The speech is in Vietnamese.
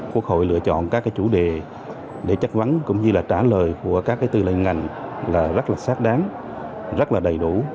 quốc hội lựa chọn các chủ đề để chất vấn cũng như là trả lời của các tư lệnh ngành là rất là xác đáng rất là đầy đủ